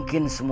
gak ada apa apa